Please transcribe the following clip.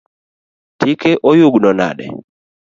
Tike oyugno nade?